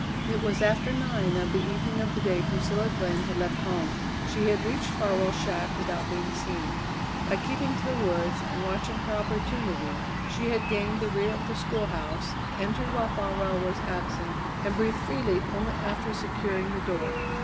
It was after nine of the evening of the day Priscilla Glenn had left home. She had reached Farwell's shack without being seen. By keeping to the woods and watching her opportunity, she had gained the rear of the schoolhouse, entered while Farwell was absent, and breathed freely only after securing the door.